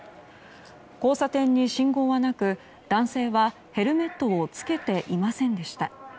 交差点に信号はなく、男性はヘルメットを着けていませんでした。